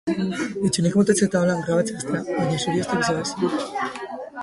Finalaurrekoa ez dira amaitu, baina ezagutzera eman dute finaleko egutegia.